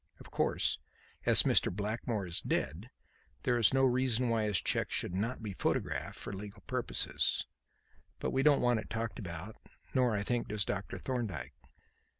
Of course, as Mr. Blackmore is dead, there is no reason why his cheques should not be photographed for legal purposes; but we don't want it talked about; nor, I think, does Dr. Thorndyke."